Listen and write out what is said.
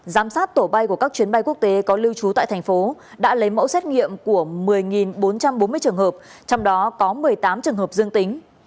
giám sát tổ bay của các chuyến bay quốc tế có lưu trú tại thành phố đã lấy mẫu xét nghiệm của một mươi bốn trăm bốn mươi trường hợp trong đó có một mươi tám trường hợp dương tính